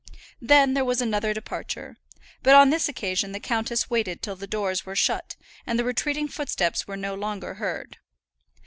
Then there was another departure; but on this occasion the countess waited till the doors were shut, and the retreating footsteps were no longer heard.